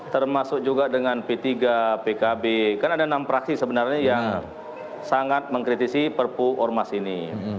termasuk juga dengan p tiga pkb kan ada enam praksi sebenarnya yang sangat mengkritisi perpu ormas ini